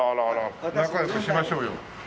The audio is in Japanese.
仲良くしましょうよ。